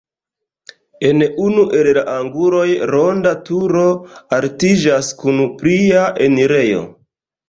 En unu el la anguloj ronda turo altiĝas kun plia enirejo.